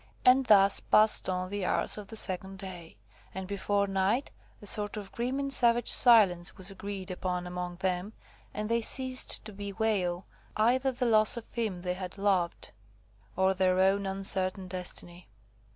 And thus passed on the hours of the second day, and before night a sort of grim and savage silence was agreed upon among them, and they ceased to bewail either the loss of him they had loved, or their own uncertain destiny.